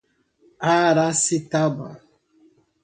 Aracitaba